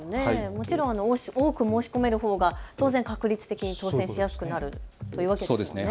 もちろん多く申し込めるほうが当然、確率的には当せんしやすくなるというわけですよね。